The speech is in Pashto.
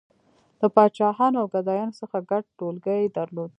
• له پاچاهانو او ګدایانو څخه ګډ ټولګی یې درلود.